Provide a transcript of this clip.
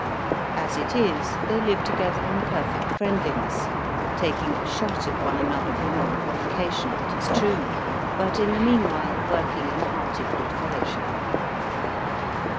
As it is, they live together in perfect friendhness, taking a shot at one another upon provocation, it is true, but in the meanwhile working in hearty good fellowship.